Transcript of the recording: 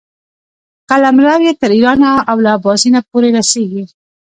قلمرو یې تر ایرانه او له اباسین پورې رسېږي.